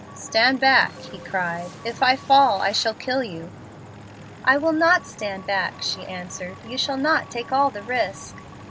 "Stand back," he cried; "if I fall, I shall kill you." "I will not stand back," she answered. "You shall not take all the risk."